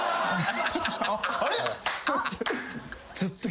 あれ！？